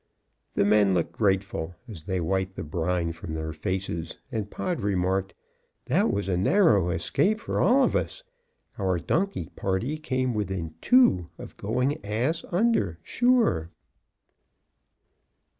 The men looked grateful as they wiped the brine from their faces, and Pod remarked, "That was a narrow escape for all of us. Our donkey party came within two of going ass under, sure."